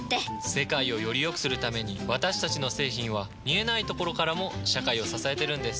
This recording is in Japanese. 世界をよりよくするために私たちの製品は見えないところからも社会を支えてるんです。